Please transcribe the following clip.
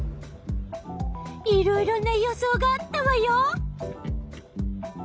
いろいろな予想があったわよ。